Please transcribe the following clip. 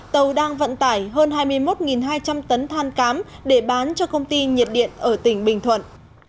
tàu đang vận tải hơn hai mươi một hai trăm linh tấn than cám để bán cho công ty nhiệt điện ở tỉnh bình thuận